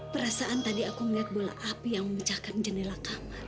perasaan tadi aku melihat bola api yang memecahkan jendela kamu